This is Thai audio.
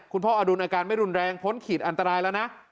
พ่ออดุลอาการไม่รุนแรงพ้นขีดอันตรายแล้วนะ